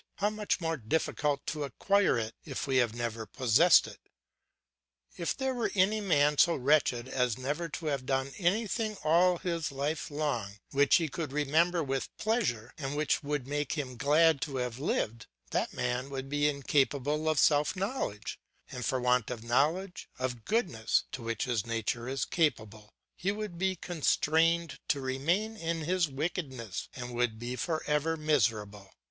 How much more difficult to acquire it if we have never possessed it! If there were any man so wretched as never to have done anything all his life long which he could remember with pleasure, and which would make him glad to have lived, that man would be incapable of self knowledge, and for want of knowledge of goodness, of which his nature is capable, he would be constrained to remain in his wickedness and would be for ever miserable.